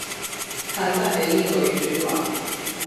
襯得起呢句說話